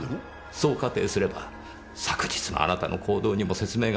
そう仮定すれば昨日のあなたの行動にも説明がつきます。